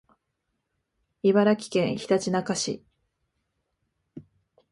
茨城県ひたちなか市